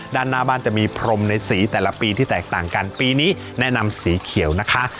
ด้านหน้าบ้านจะมีพรมในสีแต่ละปีที่แตกต่างกันปีนี้แนะนำสีเขียวนะคะ